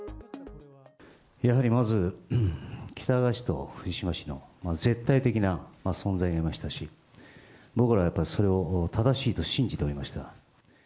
やはりまず、喜多川氏と藤島氏の絶対的な存在もありましたし、僕らはやっぱりそれを正しいと信じておりました。